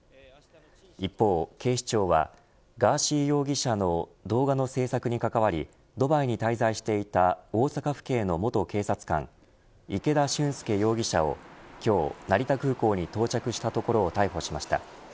一方警視庁はガーシー容疑者の動画の制作に関わりドバイに滞在していた大阪府警の元警察官池田俊輔容疑者を今日、成田空港に到着したところを逮捕しました。